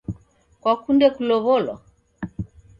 Kwakunde kulow'olwa?